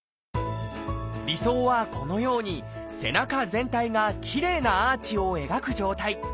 理想はこのように背中全体がきれいなアーチを描く状態。